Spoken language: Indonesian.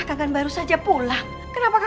jangan lupa like share dan subscribe ya